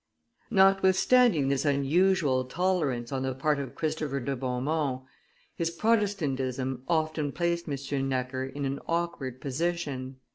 Notwithstanding this unusual tolerance on the part of Christopher de Beaumont, his Protestantism often placed M. Necker in an awkward position.